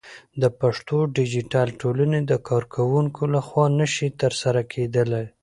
د پښتو ديجيتل ټولنې د کارکوونکو لخوا نشي ترسره کېدلى